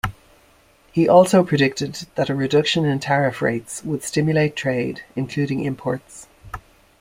He also predicted that a reduction in tariff rates would stimulate trade, including imports.